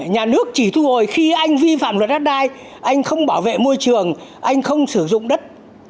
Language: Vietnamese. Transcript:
nhà nước chỉ thu hồi khi anh vi phạm luật đất đai anh không bảo vệ môi trường anh không sử dụng đất